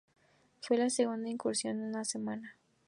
Fue la segunda incursión en una semana.